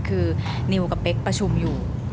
คือนิวกับเป๊กประชุมอยู่